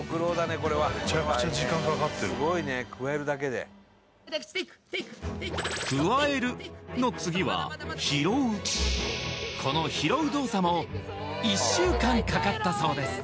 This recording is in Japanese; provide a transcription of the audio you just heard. すごいねくわえるだけで「くわえる」の次は「拾う」この「拾う」動作も１週間かかったそうです